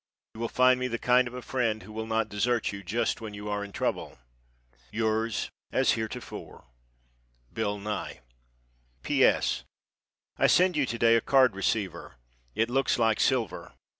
You will find me the kind of a friend who will not desert you just when you are in trouble. Yours, as heretofore, Bill Nye. P. S. I send you to day a card receiver. It looks like silver.